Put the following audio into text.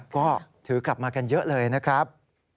ก็ถือกลับมากันเยอะเลยนะครับ